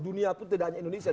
dunia pun tidak hanya indonesia